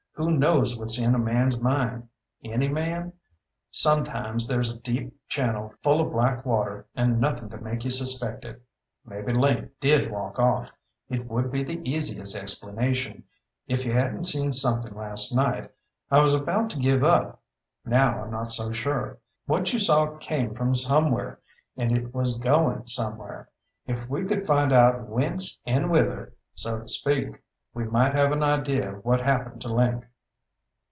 Who knows what's in a man's mind? Any man? Sometimes there's a deep channel full of black water, and nothin' to make you suspect it. Maybe Link did walk off. It would be the easiest explanation if you hadn't seen somethin' last night. I was about to give up. Now I'm not so sure. What you saw came from somewhere, and it was goin' somewhere. If we could find out whence and whither, so to speak, we might have an idea of what happened to Link."